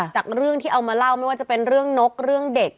จากเรื่องที่เอามาเล่าไม่ว่าจะเป็นเรื่องนกเรื่องเด็ก